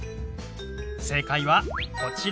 正解はこちら。